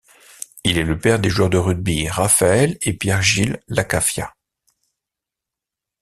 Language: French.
Il est le père des joueurs de rugby Raphaël et Pierre-Gilles Lakafia.